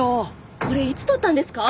これいつ撮ったんですか？